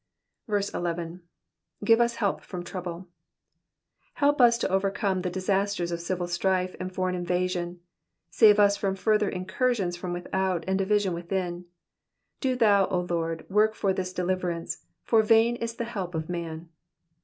11. ^^Oive us help from trouble,'*^ Help ufl to overcome the disasters of civil strife and foreign invasion ; save us from further incursions from without and division within. Do thou, O Lord, work this deliverance, /<?r vain is the help of man.'